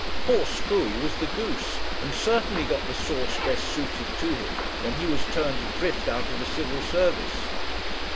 Poor Screwy was the goose, and certainly got the sauce best suited to him when he was turned adrift out of the Civil Service.